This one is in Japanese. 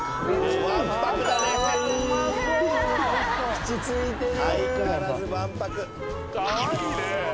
口付いてる。